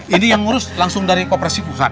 ini yang ngurus langsung dari koperasi pusat